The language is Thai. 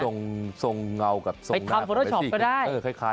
รูปทรงเหงากับโทยภาษาโฟโตช็อปก็ได้